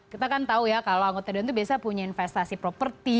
kita kan tahu ya kalau anggota dewan itu biasanya punya investasi properti